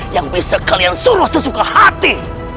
yang bisa kalian suruh sesuka hati